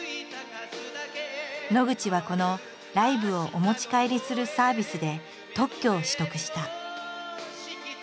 野口はこの「ライブをお持ち帰りするサービス」で特許を取得した。